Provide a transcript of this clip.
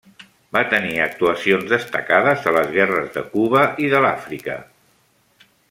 Va tenir actuacions destacades a les guerres de Cuba i de l'Àfrica.